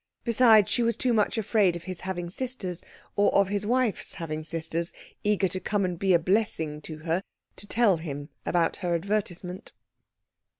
Besides, she was too much afraid of his having sisters, or of his wife's having sisters, eager to come and be a blessing to her, to tell him about her advertisement.